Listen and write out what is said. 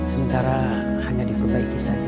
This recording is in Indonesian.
sementara hanya diperbaiki saja